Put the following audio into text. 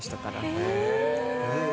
へえ。